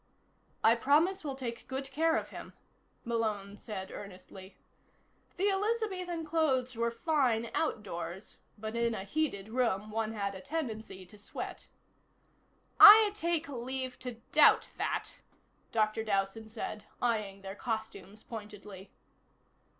"I promise we'll take good care of him," Malone said earnestly. The Elizabethan clothes were fine outdoors, but in a heated room one had a tendency to sweat. "I take leave to doubt that," Dr. Dowson said, eyeing their costumes pointedly.